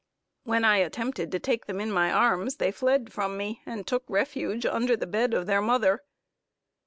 When I attempted to take them in my arms, they fled from me, and took refuge under the bed of their mother.